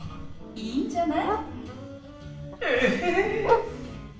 いいんじゃない？え！